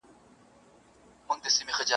په هرګل کي یې مخ وینم په هر نظم کي جانان دی !.